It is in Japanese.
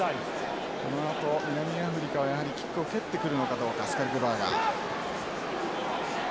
このあと南アフリカはやはりキックを蹴ってくるのかどうかスカルクバーガー。